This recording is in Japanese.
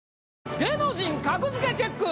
『芸能人格付けチェック！』。